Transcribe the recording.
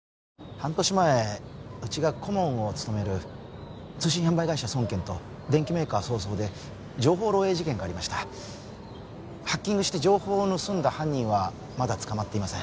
半年前うちが顧問を務める通信販売会社ソンケンと電機メーカーＳＯＳＯで情報漏えい事件がありましたハッキングして情報を盗んだ犯人はまだ捕まっていません